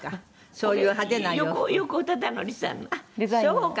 そうか。